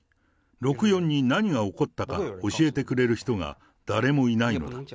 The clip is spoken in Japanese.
六四に何が起こったか教えてくれる人が誰もいないのだ。